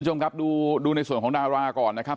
คุณผู้ชมครับดูในส่วนของดาราก่อนนะครับ